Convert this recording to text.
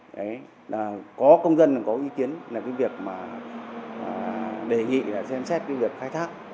đấy là có công dân có ý kiến là cái việc mà đề nghị là xem xét cái việc khai thác